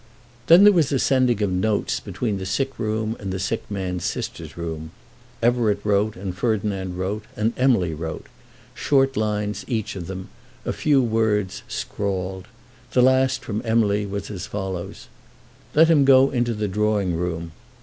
Then there was a sending of notes between the sick room and the sick man's sister's room. Everett wrote and Ferdinand wrote, and Emily wrote, short lines each of them, a few words scrawled. The last from Emily was as follows: "Let him go into the drawing room.